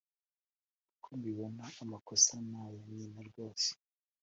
Uko mbibona amakosa naya nyina rwose